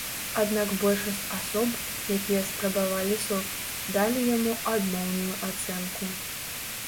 Аднак большасць асоб, якія спрабавалі сок, далі яму адмоўную ацэнку.